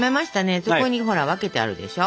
そこにほら分けてあるでしょ。